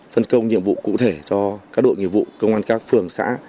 phân công nhiệm vụ cụ thể cho các đội nghiệp vụ công an các phường xã